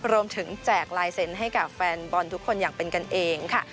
แจกลายเซ็นต์ให้กับแฟนบอลทุกคนอย่างเป็นกันเองค่ะ